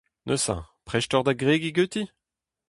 Neuze, prest oc'h da gregiñ ganti ?